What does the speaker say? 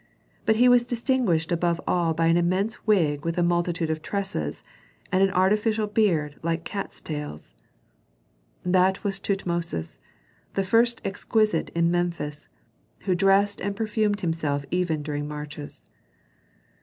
But he was distinguished above all by an immense wig with a multitude of tresses, and an artificial beard like cats' tails. That was Tutmosis, the first exquisite in Memphis, who dressed and perfumed himself even during marches.